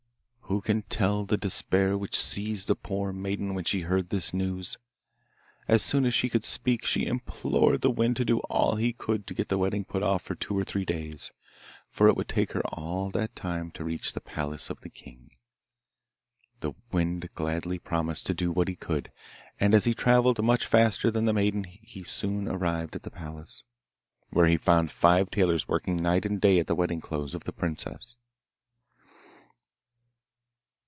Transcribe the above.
Who can tell the despair which seized the poor maiden when she heard this news! As soon as she could speak she implored the Wind to do all he could to get the wedding put off for two or three days, for it would take her all that time to reach the palace of the king. The Wind gladly promised to do what he could, and as he travelled much faster than the maiden he soon arrived at the palace, where he found five tailors working night and day at the wedding clothes of the princess.